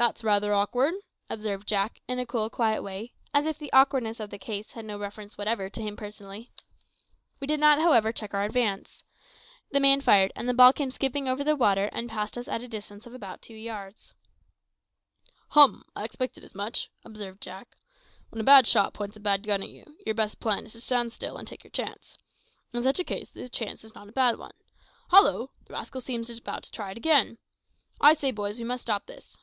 "That's rather awkward," observed Jack, in a cool, quiet way, as if the awkwardness of the case had no reference whatever to him personally. We did not, however, check our advance. The man fired, and the ball came skipping over the water and passed us at a distance of about two yards. "Hum! I expected as much," observed Jack. "When a bad shot points a bad gun at you, your best plan is to stand still and take your chance. In such a case the chance is not a bad one. Hollo! the rascal seems about to try it again. I say, boys, we must stop this."